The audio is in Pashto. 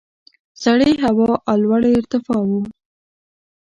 سړې هوا او لوړې ارتفاع وو.